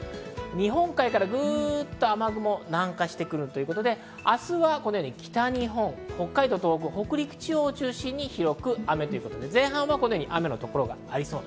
日本海からぐっと雨雲が南下してくるということで明日は北日本、北海道、東北、北陸地方を中心に広く雨ということです。